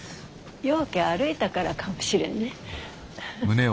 ようけ歩いたからかもしれんね。